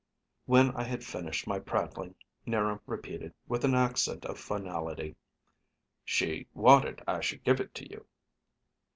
When I had finished my prattling, 'Niram repeated, with an accent of finality, "She wanted I should give it to you."